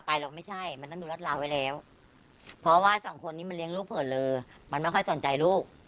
แล้วมันต้องมาดูรัดลาวก่อนไว้ไอ้คนนี้เลี้ยงลูกไงทิ้งเผลอเลอไหมอะไรไหม